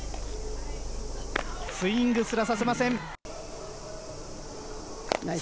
スイングすらさせません。